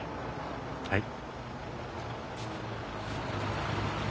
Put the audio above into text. はい。